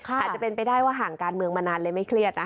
อาจจะเป็นไปได้ว่าห่างการเมืองมานานเลยไม่เครียด